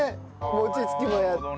餅つきもやって。